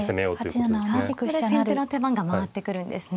ここで先手の手番が回ってくるんですね。